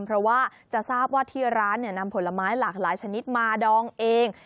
เพราะว่าจะทราบว่าที่ร้านนำผลไม้หลากหลายชนิดมาดองเอง